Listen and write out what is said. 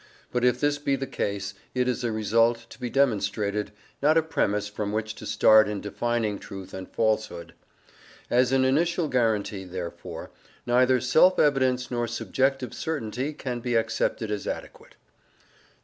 But if this be the case, it is a result to be demonstrated, not a premiss from which to start in defining truth and falsehood. As an initial guarantee, therefore, neither self evidence nor subjective certainty can be accepted as adequate.